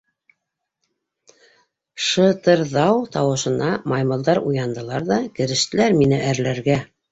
Шы-тырҙау тауышына маймылдар уяндылар ҙа керештеләр мине әрләргә.